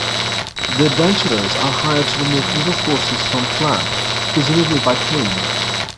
The adventurers are hired to remove evil forces from Phlan, presumably by killing them.